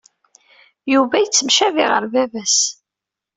Yuba yettemcabi ɣer baba-s.